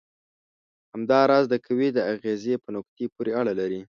همدا راز د قوې د اغیزې په نقطې پورې اړه لري.